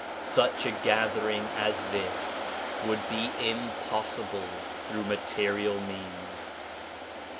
Such a gathering as this would be impossible through material means.